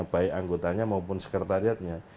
baik anggotanya maupun sekretariatnya